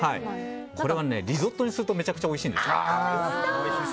これはリゾットにするとめちゃくちゃおいしいんですよ。